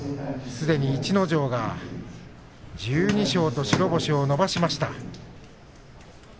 すでに逸ノ城が１２勝と白星を伸ばしました。